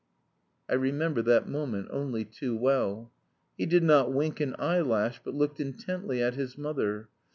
I remember that moment only too well; he did not wink an eyelash but looked intently at his mother.